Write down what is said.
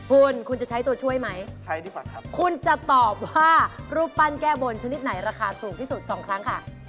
คุณคุณจะใช้ตัวช่วยไหมคุณจะตอบว่ารูปปั้นแก้บนชนิดไหนราคาสูงที่สุด๒ครั้งค่ะ